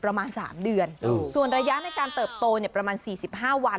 ประมาณสามเดือนอืมส่วนระยะในการเติบโตเนี้ยประมาณสี่สิบห้าวัน